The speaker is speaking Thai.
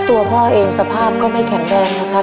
ตัวพ่อเองสภาพก็ไม่แข็งแรงนะครับ